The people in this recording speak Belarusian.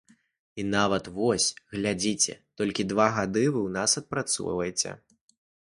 І нават вось, глядзіце, толькі два гады вы ў нас адпрацоўваеце.